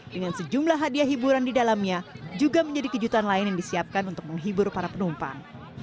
dengan sejumlah hadiah hiburan di dalamnya juga menjadi kejutan lain yang disiapkan untuk menghibur para penumpang